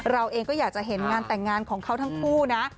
เราเองก็อยากจะเห็นงานแต่งงานของเขาทั้งคู่นะ